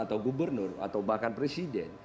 atau gubernur atau bahkan presiden